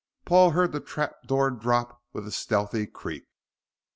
Paul heard the trap door drop with a stealthy creak.